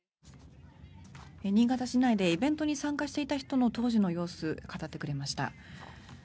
新潟市内でイベントに参加していた人の当時の様子を語ってくれました。